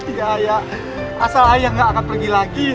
iya ayah asal ayah gak akan pergi lagi